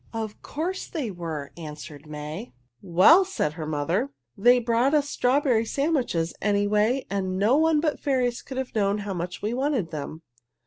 "Of course they were," answered May. "Well," said her mother, "they brought us strawberry sandwiches, anyway, and no one but fairies could have known how much we wanted them."